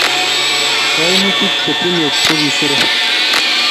kaimutik che tiemech ko kisire